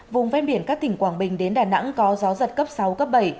vùng ven biển các tỉnh quảng bình đến đà nẵng có gió giật cấp sáu cấp bảy